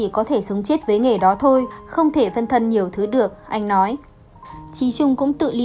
có thể sống chết với nghề đó thôi không thể phân thân nhiều thứ được anh nói trí trung cũng tự lý